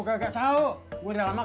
gak ada recehan bang